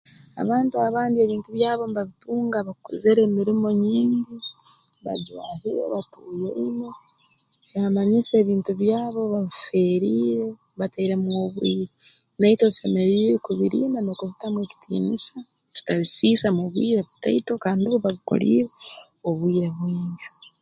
Abantu abandi ebintu byabo mbabitunga bakozere emirimo nyingi bajwahire batuuyaine kyamanyisa ebintu byabo babifeeriire batairemu obwire naitwe tusemeriire kubirinda n'okubitamu ekitiinisa tutabisiisa mu bwire butaito kandi bo babikoliire obwire bwingi